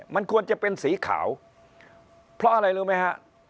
มันควรจะเป็นสีขาวเพราะอะไรรู้ไหมฮะ